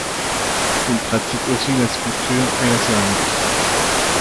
Il pratique aussi la sculpture et la céramique.